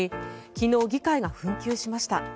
昨日、議会が紛糾しました。